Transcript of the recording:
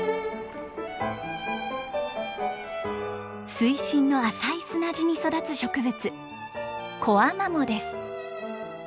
水深の浅い砂地に育つ植物